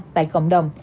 tại cộng đồng